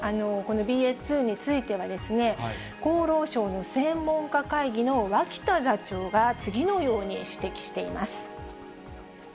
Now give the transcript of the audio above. このＢＡ．２については、厚労省の専門家会議の脇田座長が、次のように指摘しています。